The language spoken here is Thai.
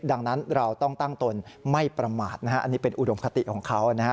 ดังนั้นเราต้องตั้งตนไม่ประมาทนะฮะอันนี้เป็นอุดมคติของเขานะฮะ